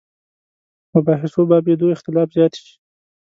مباحثو بابېدو اختلاف زیات شي.